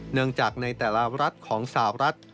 เนื่องจากในแต่ละรัฐของสาวรัฐ